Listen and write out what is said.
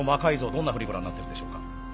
どんなふうにご覧になってるんでしょうか？